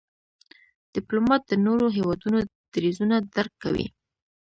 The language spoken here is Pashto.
ډيپلومات د نورو هېوادونو دریځونه درک کوي.